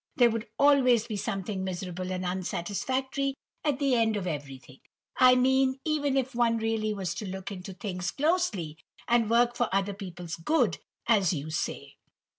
There would always be something miserable and unsatisfactory at the end of everything; I mean even if one really was to look into things closely, and work for other people's good, as you say."